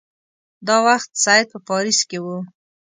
دا وخت سید په پاریس کې وو.